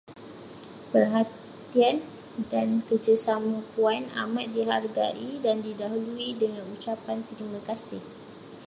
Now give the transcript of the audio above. Perhatian dan kerjasama Puan amat dihargai dan didahului dengan ucapan terima kasih.